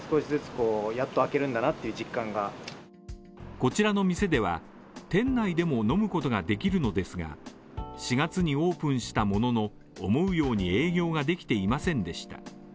こちらの店では、店内でも飲むことができるのですが、４月にオープンしたものの、思うように営業ができていませんでした。